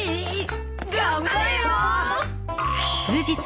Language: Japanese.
頑張れよ。